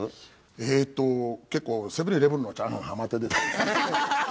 えーっと結構セブン−イレブンのチャーハンハマってですね。